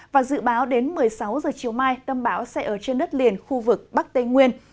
và dự báo đến một mươi sáu h chiều mai tâm báo sẽ ở trên đất liền khu vực bắc tây nguyên